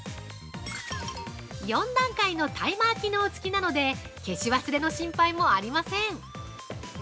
４段階のタイマー機能付きなので消し忘れの心配もありません。